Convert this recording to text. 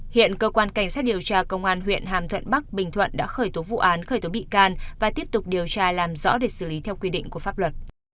hiện cơ quan cảnh sát điều tra công an huyện hàm thuận bắc bình thuận đã khởi tố vụ án khởi tố bị can và tiếp tục điều tra làm rõ để xử lý theo quy định của pháp luật